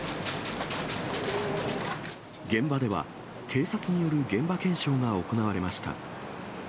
現場では、警察による現場検証が行われました。